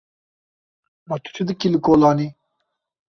Ma tu çi dikî li kolanê?